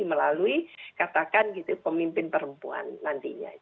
melalui katakan gitu pemimpin perempuan nantinya